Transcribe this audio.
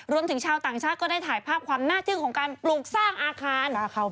ชาวต่างชาติก็ได้ถ่ายภาพความน่าจึ้งของการปลูกสร้างอาคาร